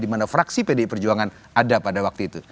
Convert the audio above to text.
di mana fraksi pdi perjuangan ada pada waktu itu